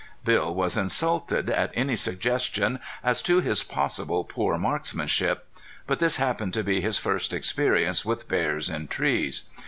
Bill was insulted at any suggestions as to his possible poor marksmanship. But this happened to be his first experience with bears in trees.